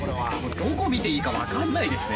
どこ見ていいか分かんないですね。